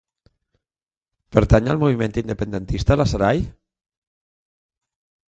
Pertany al moviment independentista la Sarai?